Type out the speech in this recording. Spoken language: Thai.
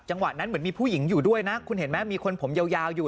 จังหวะนั้นเหมือนมีผู้หญิงอยู่ด้วยนะคุณเห็นไหมมีคนผมยาวอยู่